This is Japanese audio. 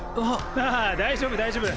ああ大丈夫大丈夫。